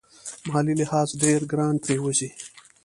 مالي لحاظ ډېر ګران پرېوزي.